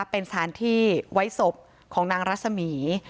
เป็นสถานที่ไว้ศพของนางรัศมี